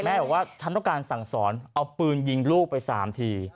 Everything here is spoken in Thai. บอกว่าฉันต้องการสั่งสอนเอาปืนยิงลูกไป๓ที